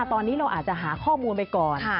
ตอนนี้เราอาจจะหาข้อมูลไปก่อน